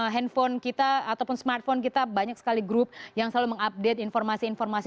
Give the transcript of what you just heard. handphone kita ataupun smartphone kita banyak sekali grup yang selalu mengupdate informasi informasi